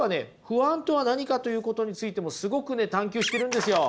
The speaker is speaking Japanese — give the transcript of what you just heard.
不安とは何かということについてもすごくね探求してるんですよ。